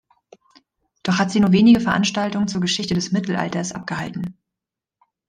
Doch hat sie nur wenige Veranstaltungen zur Geschichte des Mittelalters abgehalten.